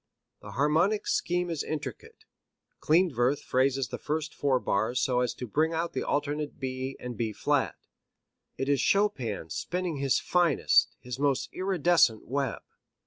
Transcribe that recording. The harmonic scheme is intricate; Klindworth phrases the first four bars so as to bring out the alternate B and B flat. It is Chopin spinning his finest, his most iridescent web.